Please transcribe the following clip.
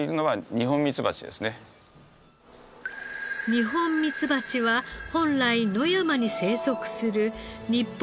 ニホンミツバチは本来野山に生息する日本の在来種。